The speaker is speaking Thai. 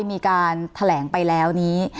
มีการแถลงไปแล้วนี้